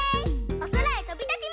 おそらへとびたちます！